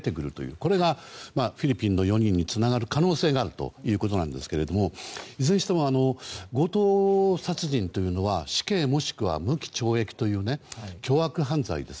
これがフィリピンの４人につながる可能性があるということですがいずれにしても強盗殺人というのは死刑もしくは無期懲役という凶悪犯罪です。